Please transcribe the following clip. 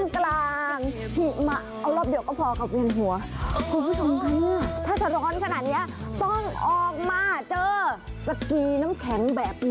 สวัสดีค่ะทุกค้านร่วมีแล้วกับ